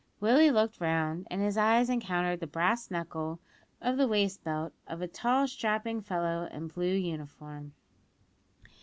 Willie looked round, and his eyes encountered the brass buckle of the waist belt of a tall, strapping fellow in a blue uniform.